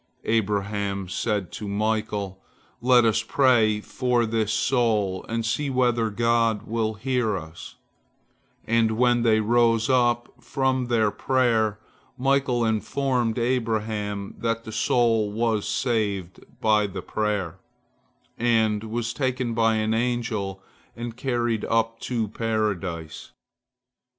Abraham said to Michael, "Let us pray for this soul, and see whether God will hear us," and when they rose up from their prayer, Michael informed Abraham that the soul was saved by the prayer, and was taken by an angel and carried up to Paradise.